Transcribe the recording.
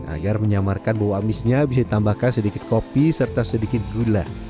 agar menyamarkan bau amisnya bisa ditambahkan sedikit kopi serta sedikit gula